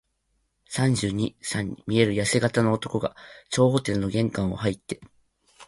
三十二、三に見えるやせ型の男が、張ホテルの玄関をはいって、